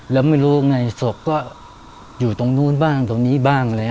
แล้วไม่รู้ไงศพก็อยู่ตรงนู้นบ้างตรงนี้บ้างอะไร